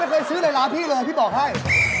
เอลาไม่เคยซื้ออะไรร้านพี่เลยพี่บอกให้